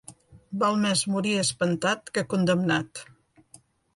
Val més morir espantat que condemnat.